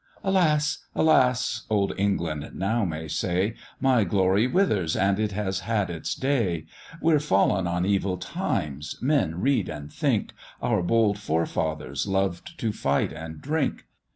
"Alas! alas!" Old England now may say, "My glory withers; it has had its day: We're fallen on evil times; men read and think; Our bold forefathers loved to fight and drink.